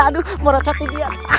aduh mau meracati dia